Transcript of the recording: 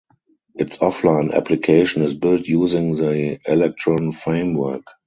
Its offline application is built using the Electron framework.